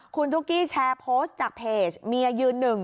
คุณตุ๊กกี้แชร์โพสต์จากเพจเมียยืนหนึ่ง